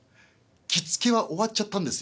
着付けは終わっちゃったんですよ。